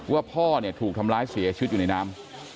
ว่าพ่อเนี่ยถูกทำร้ายเสียชีวิตอยู่ในน้ำ